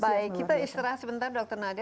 baik kita istirahat sebentar dr nadia